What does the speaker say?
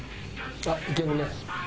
あっいけるね。